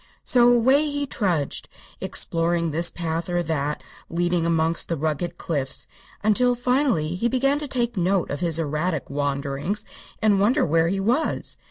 So away he trudged, exploring this path or that leading amongst the rugged cliffs, until finally he began to take note of his erratic wanderings and wonder where he was.